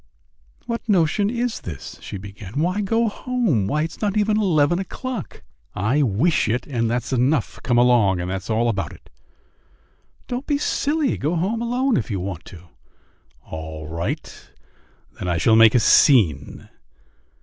"What notion is this?" she began. "Why go home? Why, it's not eleven o'clock." "I wish it, and that's enough. Come along, and that's all about it." "Don't be silly! Go home alone if you want to." "All right; then I shall make a scene."